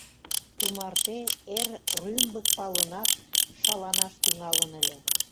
Тумарте эр рӱмбык палынак шаланаш тӱҥалын ыле.